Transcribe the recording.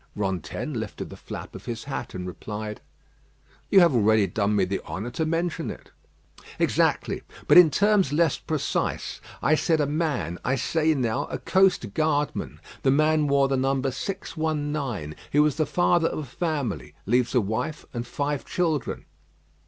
Rantaine lifted the flap of his hat, and replied: "You have already done me the honour to mention it." "Exactly; but in terms less precise. I said a man: I say now, a coast guardman. The man wore the number 619. He was the father of a family; leaves a wife and five children."